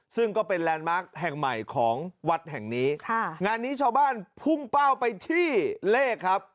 ซึ่งก็เป็นแลนด์มาร์คแห่งใหม่ของวัดแห่งนี้ค่ะงานนี้ชาวบ้านพุ่งเป้าไปที่เลขครับ